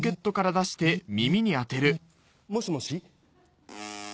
もしもし？